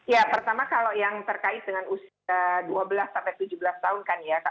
ya pertama kalau yang terkait dengan usia dua belas sampai tujuh belas tahun kan ya